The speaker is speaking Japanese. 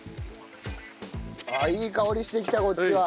ああいい香りしてきたこっちは。